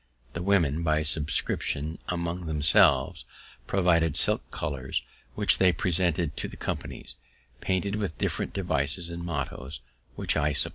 The women, by subscriptions among themselves, provided silk colours, which they presented to the companies, painted with different devices and mottos, which I supplied.